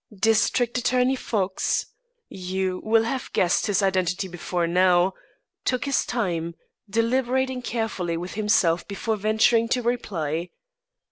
District Attorney Fox (you will have guessed his identity before now) took his time, deliberating carefully with himself before venturing to reply.